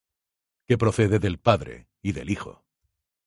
que procede del Padre y del Hijo,